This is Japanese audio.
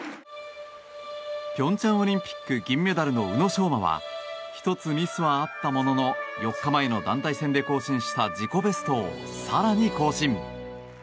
平昌オリンピック銀メダルの宇野昌磨は１つミスはあったものの４日前の団体戦で更新した自己ベストを更に更新。